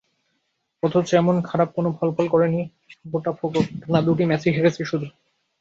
অথচ এমন খারাপ কোনো ফলাফল করেনি বোটাফোগো, টানা দুটি ম্যাচই হেরেছে শুধু।